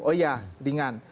oh ya ringan